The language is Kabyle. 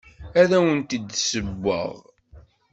Ad awent-d-ssewweɣ.